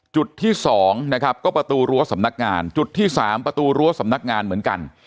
จุดที่๒นะครับก็ประตูรั้วสำนักงานจุดที่๓ประตูรั้วสำนักงานเหมือนกัน